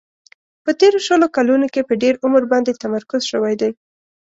په تیرو شلو کلونو کې په ډېر عمر باندې تمرکز شوی دی.